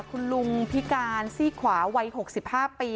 คุณลุงพิการซี่ขวาวัย๖๕ปี